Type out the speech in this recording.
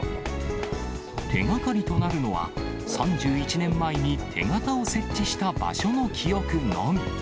手がかりとなるのは、３１年前に手形を設置した場所の記憶のみ。